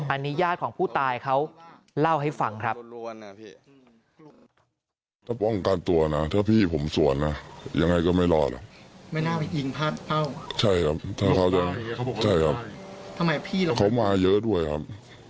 อันนี้ญาติของผู้ตายเขาเล่าให้ฟังครับ